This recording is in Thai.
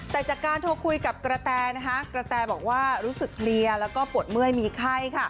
แต่จากการโทรคุยกับกระแตกระแตบอกว่ารู้สึกเพลียแล้วก็ปวดเมื่อยมีไข้